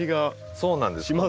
そうなんですよ。